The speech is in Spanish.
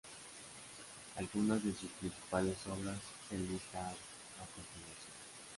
Algunas de sus principales obras se enlistan a continuación.